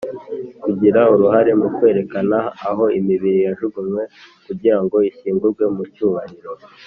Kugira uruhare mu kwerekana aho imibiri yajugunywe kugira ngo ishyingurwe mu cyubahiro